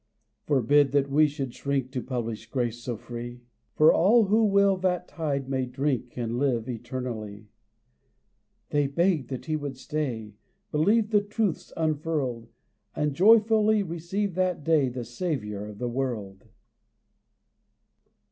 Forbid that we should shrink To publish grace so free, For all who will that tide may drink And live eternally. They begged that he would stay, Believed the truths unfurled, And joyfully received that day The Saviour of the world.